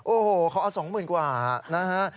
โอ้โหเค้าเอาสองหมื่นกว่านะฮะ